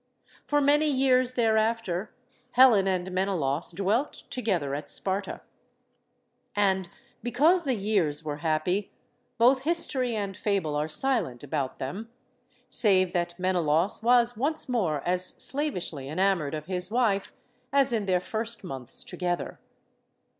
For many years thereafter, Helen and Menelaus dwelt together at Sparta. And because the years 84 STORIES OF THE SUPER WOMEN were happy, both history and fable are silent about them, save that Menelaus was once more as slavishly enamored of his wife as in their first months together.